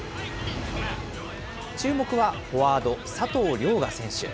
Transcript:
注目は、フォワード、佐藤凌我選手。